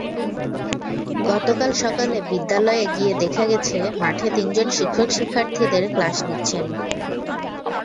গতকাল সকালে বিদ্যালয়ে গিয়ে দেখা গেছে, মাঠে তিনজন শিক্ষক শিক্ষার্থীদের ক্লাস নিচ্ছেন।